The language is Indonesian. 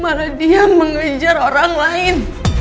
malah dia mengejar orang lain